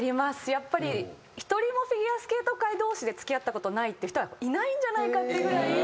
やっぱり１人もフィギュアスケート界同士で付き合ったことないっていう人はいないんじゃないかっていうぐらい。